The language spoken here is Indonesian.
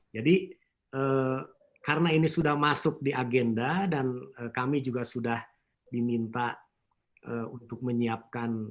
jadi karena ini sudah masuk di agenda dan kami juga sudah diminta untuk menyiapkan